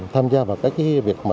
tham gia vào cái việc